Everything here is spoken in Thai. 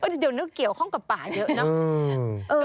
เดี๋ยวนึกเกี่ยวข้องกับป่าเยอะเนอะ